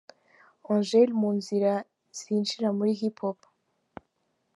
Angel mu nzira zinjira muri Hip Hop….